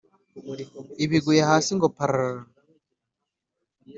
Ibiguye hasi ngo pararara